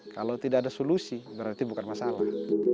kalau tidak ada solusi berarti bukan masalah